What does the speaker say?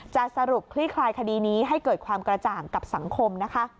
จะสรุปคลี่คลายคดีนี้ให้เกิดความกระจ่างกับสังคมนะคะ